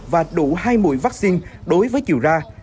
và đủ hai mũi vaccine đối với chiều ra